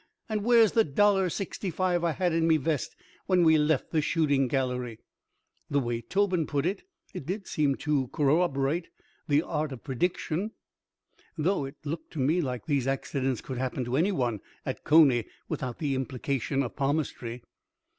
And where's the dollar sixty five I had in me vest when we left the shooting gallery?" The way Tobin put it, it did seem to corroborate the art of prediction, though it looked to me that these accidents could happen to any one at Coney without the implication of palmistry.